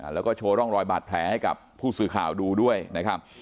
แล้วก็โชว์ร่องรอยบาดแผลให้กับผู้สื่อข่าวดูด้วยนะครับ